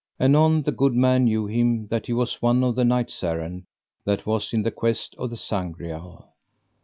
Anon the good man knew him that he was one of the knights errant that was in the quest of the Sangreal.